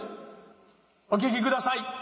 お聴きください